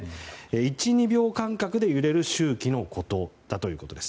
１２秒間隔で揺れる周期のことだということです。